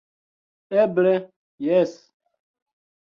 Eble, jes!